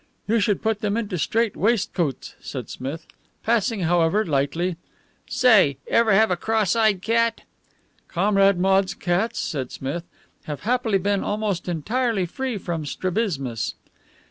"You should put them into strait waistcoats," said Smith. "Passing, however, lightly " "Say, ever have a cross eyed cat?" "Comrade Maude's cats," said Smith, "have happily been almost entirely free from strabismus."